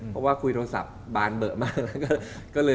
เพราะว่าคุยโทรศัพท์บานเบอะมาก